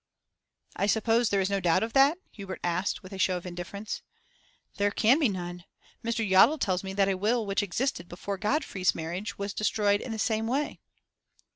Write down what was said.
'I suppose there is no doubt of that?' Hubert asked, with a show of indifference. 'There can be none. Mr. Yottle tells me that a will which existed. before Godfrey's marriage was destroyed in the same way.